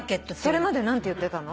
それまで何て言ってたの？